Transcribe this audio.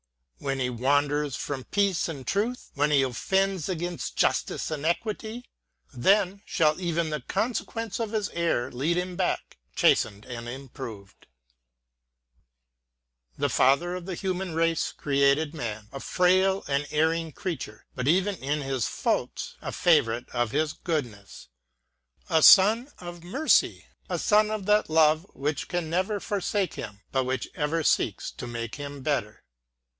When he wanders from Peace and Truth — when he offends against Justice and Equity, then shall even the consequences of his error lead him back, chastened and improved." 90 LXATX8 OP AlTTiqUITT. The Father of the human race created Man — a frail and erring creature ; but even in his faults a fa vorite of His goodness — a son of Mercy — a son of that Love which can never forsake him, but which ever seeks to make him better.